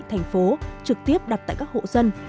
thành phố trực tiếp đặt tại các hộ dân